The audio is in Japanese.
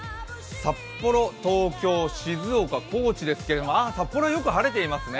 札幌、東京、静岡、高知ですけれどもあ、札幌はよく晴れてますね。